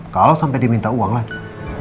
kalau sampai diminta uang lagi